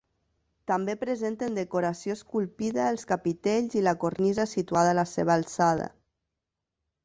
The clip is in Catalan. També presenten decoració esculpida els capitells i la cornisa situada a la seva alçada.